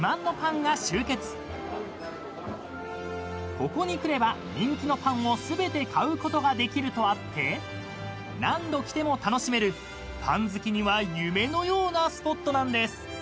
［ここに来れば人気のパンを全て買うことができるとあって何度来ても楽しめるパン好きには夢のようなスポットなんです］